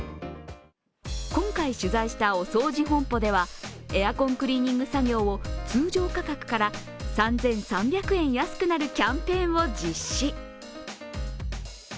今回取材したおそうじ本舗ではエアコンクリーニング作業を通常価格から３３００円安くなるキャンペーンを実施。